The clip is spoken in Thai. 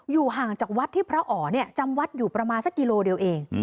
ห่างจากวัดที่พระอ๋อจำวัดอยู่ประมาณสักกิโลเดียวเอง